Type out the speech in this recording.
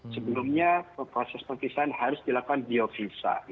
sebelumnya proses pemfisaan harus dilakukan biofisa